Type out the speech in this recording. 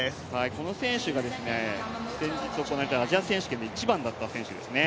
この選手が先日行われたアジア選手権で１番だった選手ですね。